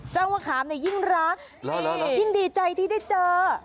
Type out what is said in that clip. มะขามเนี่ยยิ่งรักยิ่งดีใจที่ได้เจอ